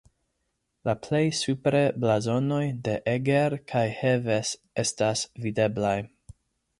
La plej supre blazonoj de Eger kaj Heves estas videblaj.